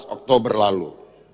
enam belas oktober lalu